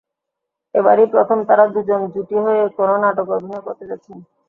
এবারই প্রথম তাঁরা দুজন জুটি হয়ে কোনো নাটকে অভিনয় করতে যাচ্ছেন।